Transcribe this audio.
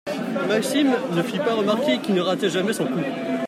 Maxime ne fit pas remarquer qu’il ne ratait jamais son coup